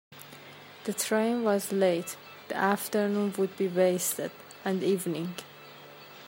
The train was late; the afternoon would be wasted, and the evening.